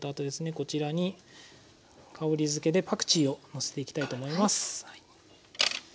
こちらに香りづけでパクチーをのせていきたいと思います。